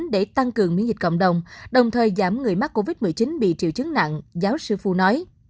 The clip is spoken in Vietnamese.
để tăng cường miễn dịch cộng đồng đồng thời giảm người mắc covid một mươi chín bị triệu chứng nặng giáo sư phu nói